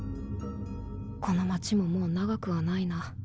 この街ももう長くはないな。